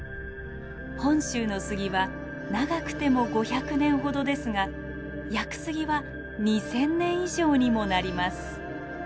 本州の杉は長くても５００年ほどですが屋久杉は２，０００年以上にもなります。